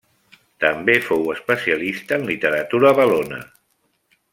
També fou especialista en literatura valona.